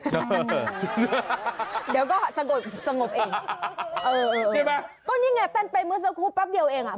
เดี๋ยวก็สงบสงบเองเออใช่ไหมก็นี่ไงเต้นไปเมื่อสักครู่แป๊บเดียวเองอ่ะ